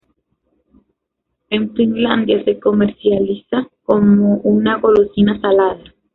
En Finlandia se comercializa como una golosina salada.